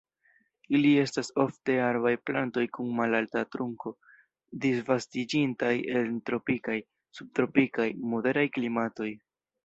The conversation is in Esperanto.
Ili estas ofte arbaj plantoj kun malalta trunko, disvastiĝintaj en tropikaj, subtropikaj, moderaj klimatoj.